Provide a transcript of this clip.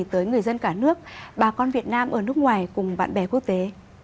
tới người dân cả nước bà con việt nam ở nước ngoài cùng bạn bè quốc tế